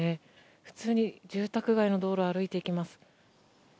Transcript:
普通に住宅街の道路を歩いていきます。